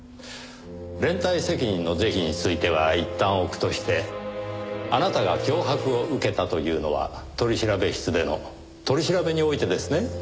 連帯責任の是非についてはいったん置くとしてあなたが脅迫を受けたというのは取調室での取り調べにおいてですね？